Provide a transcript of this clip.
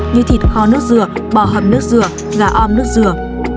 như thịt kho nước dừa bò hầm nước dừa gà om nước dừa